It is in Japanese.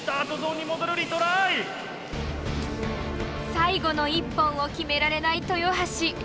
最後の１本を決められない豊橋。